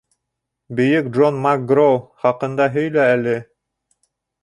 Бөйөк Джон Мак-Гроу хаҡында һөйлә әле.